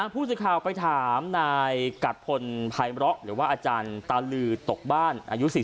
ผู้สิทธิ์ข่าวไปถามนายกัดพลไพร็อกหรือว่าอาจารย์ตาลือตกบ้าน